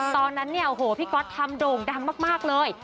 ตอนนั้นพี่ก๊อตทำโด่งดังมากเลย